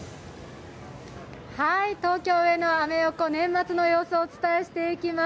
東京・上野、アメ横、年末の様子、お伝えしていきます。